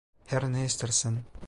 Her ne istersen.